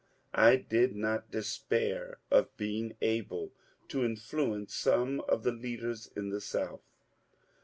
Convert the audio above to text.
I did not despair of being able to in fluence some of the leaders in the South.